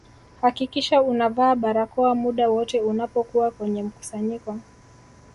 hakikisha unavaa barakoa muda wote unapokuwa kwenye mkusanyiko